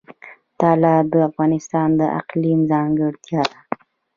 طلا د افغانستان د اقلیم ځانګړتیا ده.